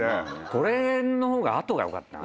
これの方が後がよかったな。